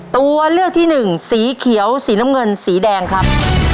ตัวเลือกที่หนึ่งสีเขียวสีน้ำเงินสีแดงครับ